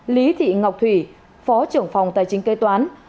lý thị ngọc thủy phó trưởng phòng tài chính kế toán